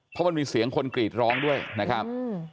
เพราะมันมีเสียงคนกรีดร้องด้วยนะครับ